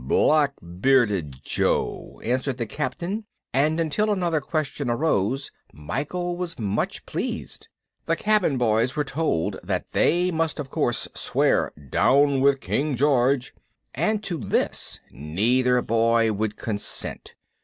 "Black Bearded Joe," answered the Captain, and until another question arose Michael was much pleased. The cabin boys were told that they must of course swear "Down with King George!" and to this neither boy would consent.